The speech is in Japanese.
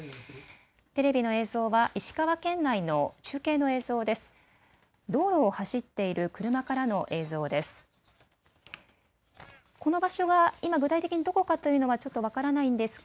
テレビの映像は石川県内の中継の映像です。